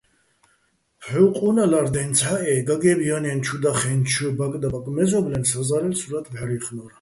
ფჰ̦უ ყუნალა́რ დენცჰ̦ა́ჸ-ე გაგე́ბ ჲანა́ჲნო̆ ჩუ დახენჩო̆ ბაკდაბაკ მეზო́ბლენ საზა́რელ სურათ ბჵარჲეხნო́რ.